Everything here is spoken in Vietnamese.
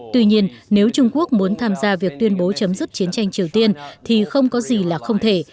tuy nhiên nếu trung quốc muốn tham gia việc tuyên bố chấm dứt chiến tranh triều tiên thì không có gì là không thể